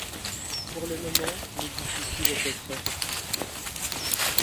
Pour le moment, le difficile était fait.